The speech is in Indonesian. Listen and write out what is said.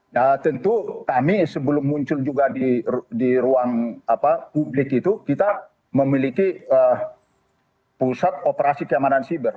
nah tentu kami sebelum muncul juga di ruang publik itu kita memiliki pusat operasi keamanan siber